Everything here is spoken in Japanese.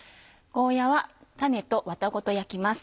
ゴーヤは種とワタごと焼きます。